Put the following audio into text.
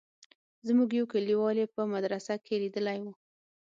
زموږ يو کليوال يې په مدرسه کښې ليدلى و.